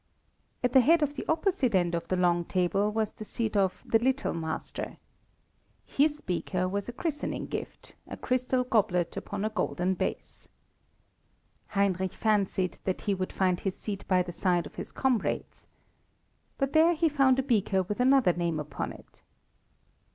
At the head of the opposite end of the long table was the seat of "the little master." His beaker was a christening gift, a crystal goblet upon a golden base. Heinrich fancied that he would find his seat by the side of his comrade's. But there he found a beaker with another name upon it.